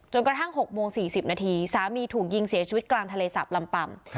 กระทั่ง๖โมง๔๐นาทีสามีถูกยิงเสียชีวิตกลางทะเลสาบลำปำ